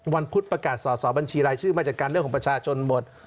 พุธประกาศสอสอบัญชีรายชื่อมาจัดการเรื่องของประชาชนหมด